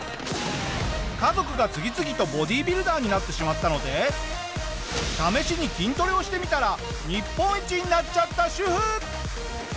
家族が次々とボディビルダーになってしまったので試しに筋トレをしてみたら日本一になっちゃった主婦！